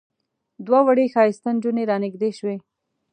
دوه وړې ښایسته نجونې را نږدې شوې.